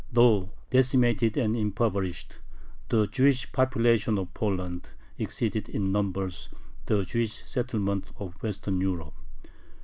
Though decimated and impoverished, the Jewish population of Poland exceeded in numbers the Jewish settlements of Western Europe.